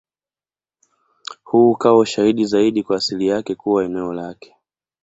Huu ukawa ushahidi zaidi wa asili yake kuwa eneo lake.